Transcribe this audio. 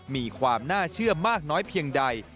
มีความน่าเชื่อมากน้อยเพียงใด